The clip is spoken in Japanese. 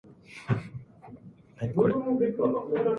北海道倶知安町